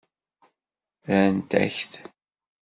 Rrant-ak-t.